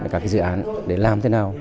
các cái dự án để làm thế nào